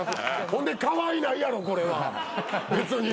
ほんでかわいないやろこれは別に。